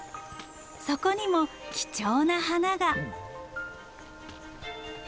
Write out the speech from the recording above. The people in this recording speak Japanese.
そこにも貴重な花が。